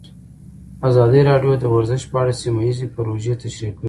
ازادي راډیو د ورزش په اړه سیمه ییزې پروژې تشریح کړې.